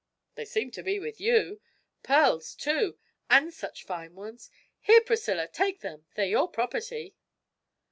'They seem to be with you. Pearls, too, and such fine ones! Here, Priscilla, take them; they're your property.'